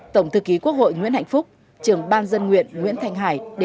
tổng thư ký quốc hội nguyễn hạnh phúc trưởng ban dân nguyện nguyễn thanh hải